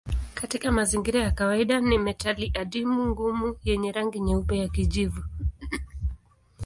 Katika mazingira ya kawaida ni metali adimu ngumu yenye rangi nyeupe ya kijivu.